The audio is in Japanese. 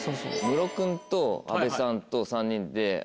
ムロ君と阿部さんと３人で。